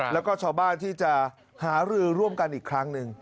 แล้วก็ชาวบ้านที่จะหารือร่วมกันอีกครั้งหนึ่ง